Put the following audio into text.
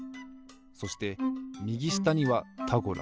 そしてみぎしたには「タゴラ」。